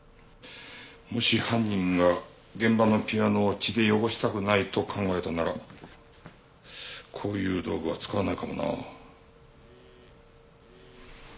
もし犯人が現場のピアノを血で汚したくないと考えたならこういう道具は使わないかもな。